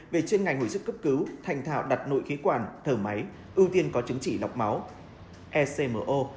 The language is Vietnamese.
về chuyên ngành hồi sức cấp cứu thành thảo đặt nội khí quản thở máy ưu tiên có chứng chỉ lọc máu ecmo